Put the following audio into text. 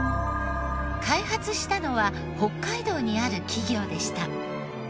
開発したのは北海道にある企業でした。